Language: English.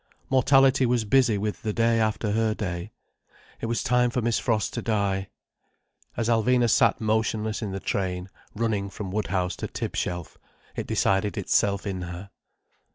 Mortality was busy with the day after her day. It was time for Miss Frost to die. As Alvina sat motionless in the train, running from Woodhouse to Tibshelf, it decided itself in her.